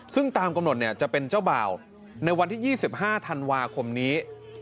ซึ่งตามกำหนดจะเป็นเจ้าบ่าวในวันที่๒๕ธันวาคมนี้